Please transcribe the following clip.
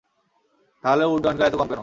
তাহলে উড্ডয়নকাল এত কম কেন?